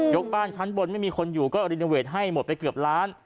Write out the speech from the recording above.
บ้านชั้นบนไม่มีคนอยู่ก็รีโนเวทให้หมดไปเกือบล้าน